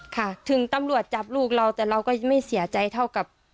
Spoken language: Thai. ค่ะถึงตำรวจจับลูกเราแต่เราก็ไม่เสียใจเท่ากับ